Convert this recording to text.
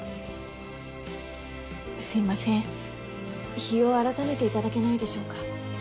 すいません日を改めていただけないでしょうか。